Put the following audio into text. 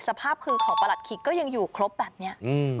สภาพคือของประหลัดขิกก็ยังอยู่ครบแบบนี้